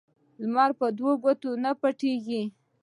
لمر په دو ګوتو نه پټېږي